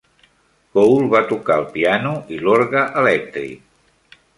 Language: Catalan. Cole va tocar el piano i l'orgue elèctric.